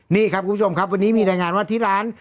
นี่ครับคุณผู้ชมครับวันนี้มีรายงานว่าที่ร้าน